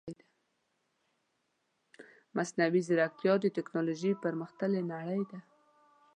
مصنوعي ځيرکتيا د تکنالوژي پرمختللې نړۍ ده .